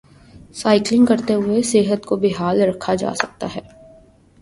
cycling کرتے ہوئے صحت کو بحال رکھا جا سکتا ہے